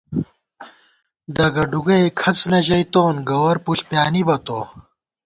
ڈگہ ڈُگَئےکھڅ نہ ژَئیتون، گوَر پُݪ پیانِبہ تو